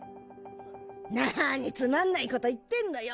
なにつまんないこと言ってんのよ！